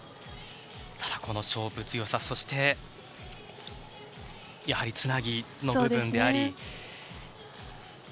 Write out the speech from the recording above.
この勝負強さ、そしてやはりつなぎの部分であり。